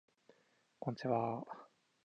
こんちはー